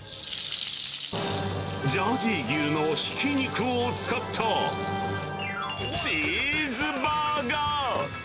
ジャージー牛のひき肉を使った、チーズバーガー。